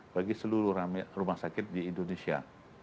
bagi seluruh rumah sakit di indonesia